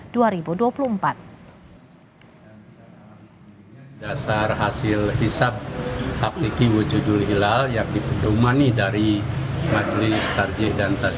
dasar hasil hizab hakiki wujudul hilal yang diputuhi dari majlis tarjid dan tasjid